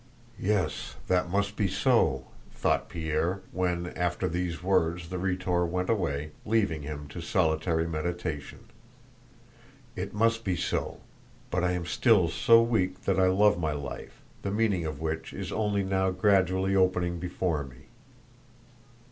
"Yes, that must be so," thought Pierre, when after these words the Rhetor went away, leaving him to solitary meditation. "It must be so, but I am still so weak that I love my life, the meaning of which is only now gradually opening before me."